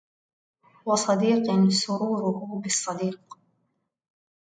وصديق سروره بالصديق